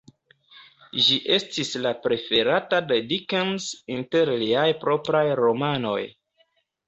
Ĝi estis la preferata de Dickens inter liaj propraj romanoj.